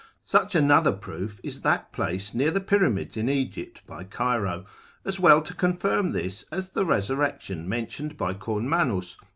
Such another proof is that place near the Pyramids in Egypt, by Cairo, as well to confirm this as the resurrection, mentioned by Kornmannus mirac. mort.